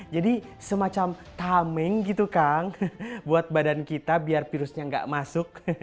jadi semacam tameng gitu kang buat badan kita biar virusnya gak masuk